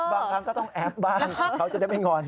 บางครั้งก็ต้องแอปบ้างเขาจะได้ไม่งอน